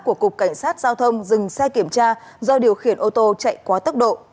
của cục cảnh sát giao thông dừng xe kiểm tra do điều khiển ô tô chạy quá tốc độ